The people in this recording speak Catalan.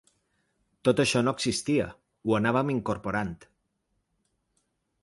Tot això no existia, ho anàvem incorporant.